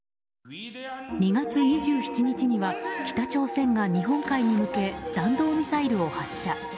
２月２７日には北朝鮮が日本海に向け弾道ミサイルを発射。